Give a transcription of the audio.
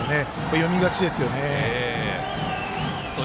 読み勝ちですよね。